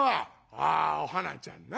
「ああお花ちゃんな。